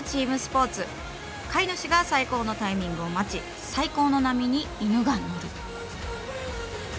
飼い主が最高のタイミングを待ち最高の波に犬が乗る。